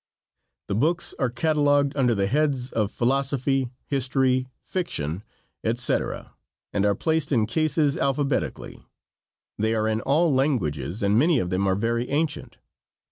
The books are catalogued under the heads of philosophy, history, fiction, etc., and are placed in cases alphabetically. They are in all languages, and many of them are very ancient.